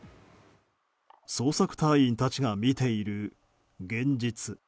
捜索隊員たちが見ている現実。